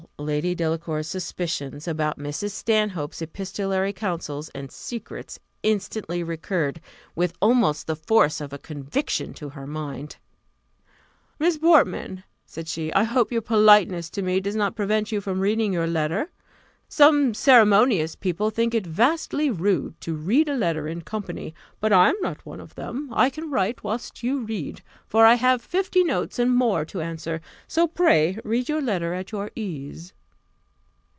All Lady Delacour's suspicions about Mrs. Stanhope's epistolary counsels and secrets instantly recurred, with almost the force of conviction to her mind. "Miss Portman," said she, "I hope your politeness to me does not prevent you from reading your letter? Some ceremonious people think it vastly rude to read a letter in company; but I am not one of them: I can write whilst you read, for I have fifty notes and more to answer. So pray read your letter at your ease."